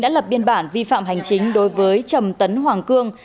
đã lập biên bản vi phạm hành chính đối với trầm tấn hoàng cương